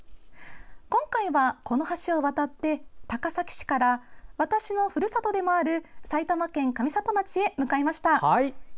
今回は、この橋を渡って高崎市から私のふるさとでもある埼玉県上里町へ向かいました。